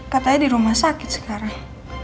katanya di rumah sakit sekarang